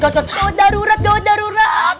gawat darurat gawat darurat